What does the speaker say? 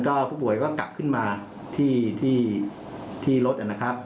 ก็ผู้ป่วยก็กลับขึ้นมาที่รถนะครับ